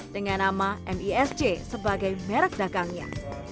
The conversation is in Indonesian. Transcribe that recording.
dengan nama misj sebagai merek dagangnya